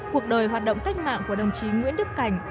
cuộc đời hoạt động cách mạng của đồng chí nguyễn đức cảnh